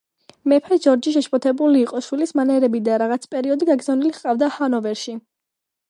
მეფე ჯორჯი შეშფოთებული იყო შვილის მანერებით და რაღაც პერიოდი გაგზავნილი ჰყავდა ჰანოვერში.